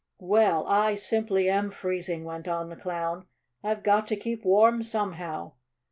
"Well, I simply am freezing!" went on the Clown. "I've got to keep warm, somehow!"